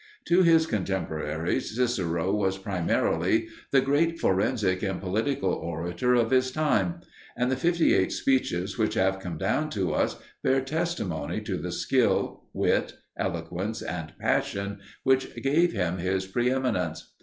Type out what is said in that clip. To his contemporaries Cicero was primarily the great forensic and political orator of his time, and the fifty eight speeches which have come down to us bear testimony to the skill, wit, eloquence, and passion which gave him his pre eminence.